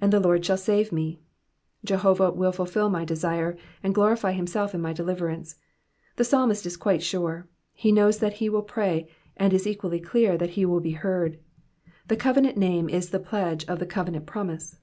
^^And the Lord shall save me."*^ Jehovah will fulfil my desire, and glorify himself in my deliverance. The psalmist is quite sure. He knows that he wUl pray, and is equally clear that he will be heard. The covenant name is the pledge of the covenant promise.